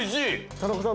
田中さん